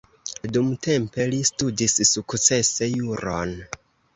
Dumtempe li studis sukcese juron.